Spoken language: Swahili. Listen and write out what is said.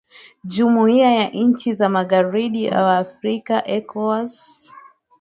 jumuiya ya nchi za magharibi wa afrika ecowas